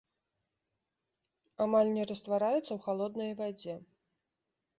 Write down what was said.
Амаль не раствараецца ў халоднай вадзе.